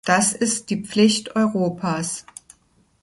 Das ist die Pflicht Europas.